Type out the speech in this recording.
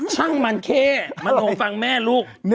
ช่างมันแค่มารวมฟังแม่ลูก